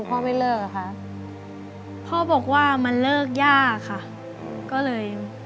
บอกทุกวันค่ะบอกทุกวันเลยนะบอกทุกวันเลยนะ